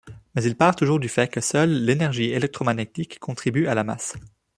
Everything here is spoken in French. Mais il part toujours du fait que seule l'énergie électromagnétique contribue à la masse.